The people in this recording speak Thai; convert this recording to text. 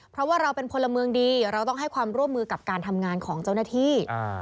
เพราะว่าเราเป็นพลเมืองดีเราต้องให้ความร่วมมือกับการทำงานของเจ้าหน้าที่